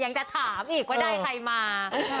ยังจะถามอีกว่าได้ใครมา